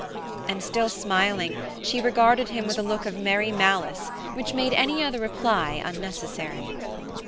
And still smiling, she regarded him with a look of merry malice which made any other reply unnecessary.